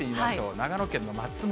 長野県の松本。